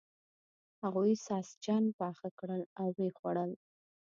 هغوی ساسچن پاخه کړل او و یې خوړل.